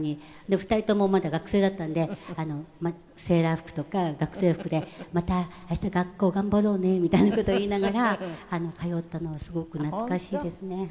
２人ともまだ学生だったんでセーラー服とか学生服で「また明日学校頑張ろうね」みたいな事言いながら通ったのはすごく懐かしいですね。